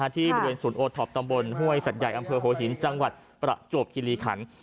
ที่บริเวณศูนย์โอท็อปตำบลห้วยสัตว์ใหญ่อำเภอหัวหินจังหวัดประจวบคิริขัน